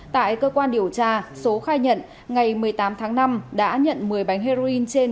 tại cơ quan điều tra số khai nhận ngày một mươi tám tháng năm đã nhận một mươi bánh heroin trên